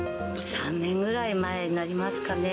３年前ぐらいになりますかね。